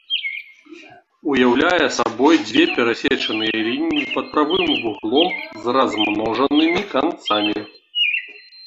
Уяўляе сабой дзве перасечаныя лініі пад прамым вуглом з размножанымі канцамі.